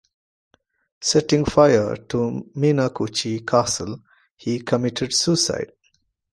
Setting fire to Minakuchi Castle, he committed suicide.